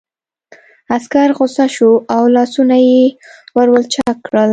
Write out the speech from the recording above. عسکر غوسه شو او لاسونه یې ور ولچک کړل